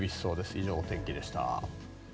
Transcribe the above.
以上、お天気でした。